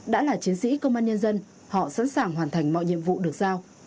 đã là chiến sĩ công an nhân dân họ sẵn sàng hoàn thành mọi nhiệm vụ được giao